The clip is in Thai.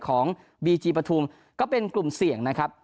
เนื่องจากนักเตะของบีจีปฐุมก็เป็นกลุ่มเสี่ยงนะครับ